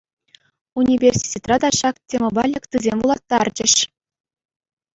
Университетра та ҫак темӑпа лекцисем вулаттарчӗҫ.